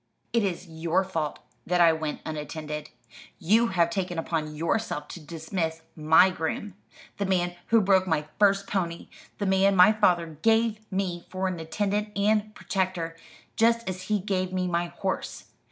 "It is your fault that I went unattended. You have taken upon yourself to dismiss my groom the man who broke my first pony, the man my father gave me for an attendant and protector, just as he gave me my horse.